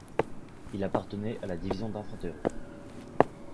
Il appartenait à la division d'infanterie.